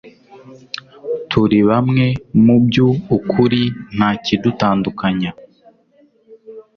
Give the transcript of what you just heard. Turi bamwe mubyu ukuri ntaki dutandukanya